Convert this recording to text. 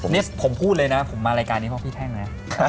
นี่ผมพูดเลยนะผมมารายการนี้เพราะพี่แท่งนะ